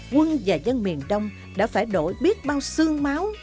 quân và dân miền đông đã phải đổi biết bao sương máu